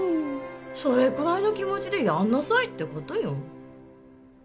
それくらいの気持ちでやんなさいってことよ！